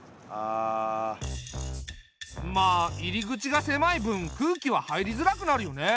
まあ入り口が狭い分空気は入りづらくなるよね。